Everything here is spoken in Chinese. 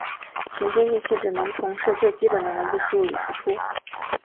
行编辑器只能从事最基本的文本输入与输出。